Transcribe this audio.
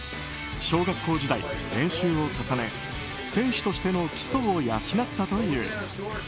小学校時代、練習を重ね選手としての基礎を養ったという。